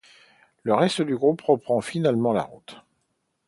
Le reste du groupe reprend finalement la route.